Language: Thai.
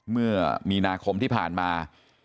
เมื่อมีนาคมที่ผ่านมา